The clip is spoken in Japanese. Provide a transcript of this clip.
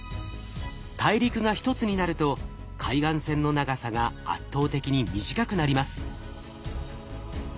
大陸が一つになると海岸線の長さが圧倒的に短くなります。